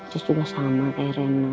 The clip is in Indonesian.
terus juga sama kayak rena